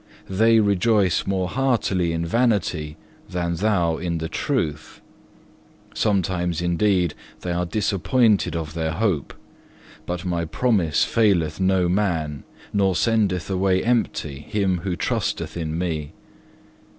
They rejoice more heartily in vanity than thou in the truth. Sometimes, indeed, they are disappointed of their hope, but my promise faileth no man, nor sendeth away empty him who trusteth in Me.